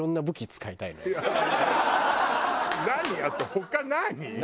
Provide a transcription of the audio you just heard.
他何？